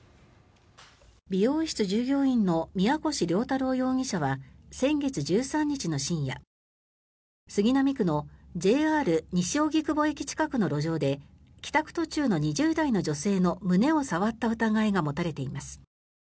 美容室従業員の宮腰椋太郎容疑者は先月１３日の深夜杉並区のＪＲ西荻窪駅近くの路上で帰宅途中の２０代の女性の胸を触った疑いが持たれています。